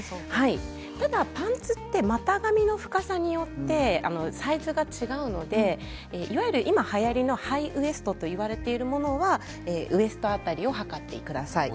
ただパンツって股上の深さによってサイズが違うのでいわゆる今はやりのハイウエストといわれているものはウエスト辺りを測ってください。